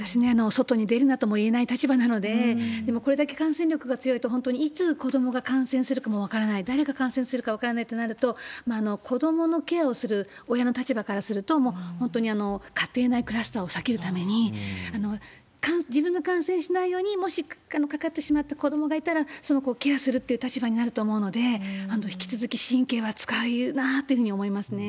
外に出るなとも言えない立場なので、でも、これだけ感染力が強いと、本当にいつ子どもが感染するかも分からない、誰が感染するかも分からないとなると、子どものケアする親の立場からすると、家庭内クラスターを避けるために、自分が感染しないように、もしかかってしまった子どもがいたら、その子をケアする立場になると思うので、引き続き神経は使うなというふうに思いますね。